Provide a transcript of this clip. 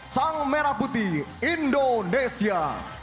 sang merah putih indonesia